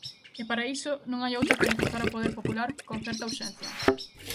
E para iso, non hai outra que reforzar o poder popular con certa urxencia.